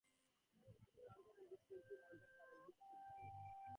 Chilhowee Mountain and the Great Smoky Mountains are visible to the south.